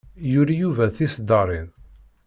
Yuli Yuba tiseddaṛin.